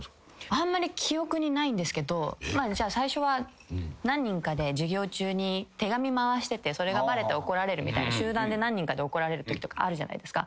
あんまり記憶にないんですけど最初は何人かで授業中に手紙回しててそれがバレて怒られるみたいな集団で何人かで怒られるとかあるじゃないですか。